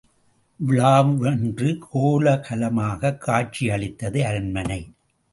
விழாவன்று கோலாகலமாகக் காட்சியளித்தது அரண்மனை.